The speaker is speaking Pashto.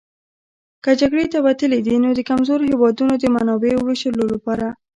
که جګړې ته وتلي دي نو د کمزورو هېوادونو د منابعو وېشلو لپاره.